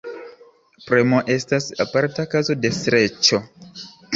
Premo estas aparta kazo de streĉo.